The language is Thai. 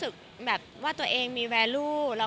ก็บอกว่าเซอร์ไพรส์ไปค่ะ